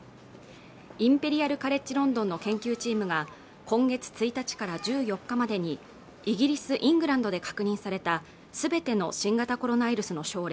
インペリアルカレッジロンドンの研究チームが今月１日から１４日までにイギリスイングランドで確認されたすべての新型コロナウイルスの症例